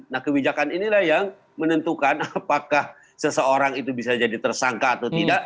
nah kebijakan inilah yang menentukan apakah seseorang itu bisa jadi tersangka atau tidak